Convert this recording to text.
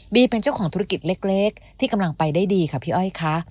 เป็นเจ้าของธุรกิจเล็กที่กำลังไปได้ดีค่ะพี่อ้อยค่ะ